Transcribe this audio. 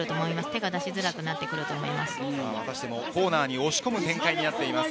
手が出しづらくなると思います。